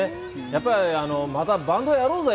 やっぱり、またバンドやろうぜ！